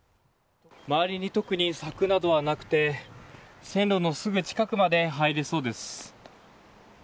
周りに特に柵などはなくて線路のすぐ近くまで入れそうです。